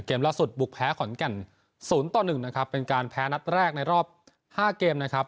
ล่าสุดบุกแพ้ขอนแก่น๐ต่อ๑นะครับเป็นการแพ้นัดแรกในรอบ๕เกมนะครับ